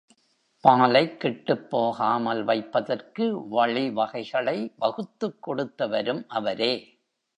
பாலைக் கெட்டுப் போகாமல் வைப்பதற்கு வழி வகைகளை வகுத்துக் கொடுத்தவரும் அவரே!